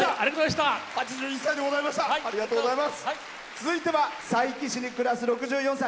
続いては佐伯市に暮らす６４歳。